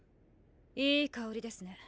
いい香りですね。